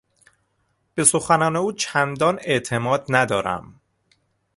به سخنان او چندان اعتماد ندارم.